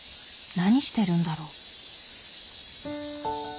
何してるんだろう？